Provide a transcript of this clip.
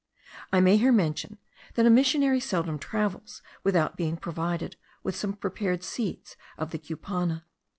I may here mention, that a missionary seldom travels without being provided with some prepared seeds of the cupana.